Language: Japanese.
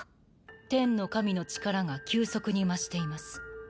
天の神の力が急速に増しています。